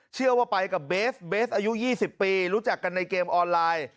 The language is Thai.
เชื่อว่าไปกับเบสเบสอายุ๒๐ปีรู้จักกันในเกมออนไลน์